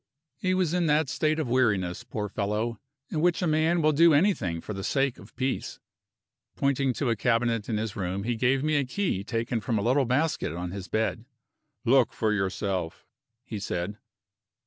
He was in that state of weariness, poor fellow, in which a man will do anything for the sake of peace. Pointing to a cabinet in his room, he gave me a key taken from a little basket on his bed. "Look for yourself," he said.